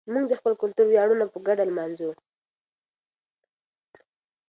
موږ د خپل کلتور ویاړونه په ګډه لمانځو.